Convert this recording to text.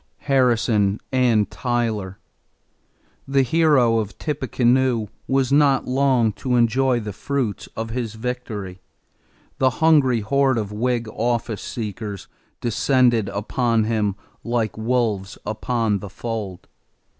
=Harrison and Tyler.= The Hero of Tippecanoe was not long to enjoy the fruits of his victory. The hungry horde of Whig office seekers descended upon him like wolves upon the fold.